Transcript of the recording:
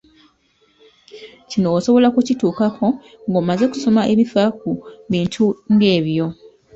Kino osobola kukituukako ng'omaze kusoma ebifa ku bintu ng'ebyo.